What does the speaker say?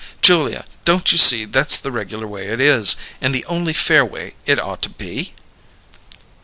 Julia, don't you see that's the regular way it is, and the only fair way it ought to be?"